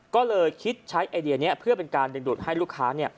ก็เลยคิดใช้ไอเดียนี้เพื่อเป็นการดึงดูดให้ลูกค้า